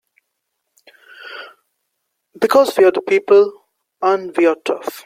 Because we're the people and we're tough!